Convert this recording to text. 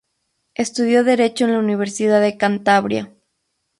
Estudió Derecho en la Universidad de Cantabria.